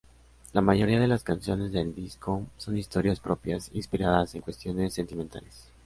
La mayoría de las canciones del disco son historias propias, inspiradas en cuestiones sentimentales.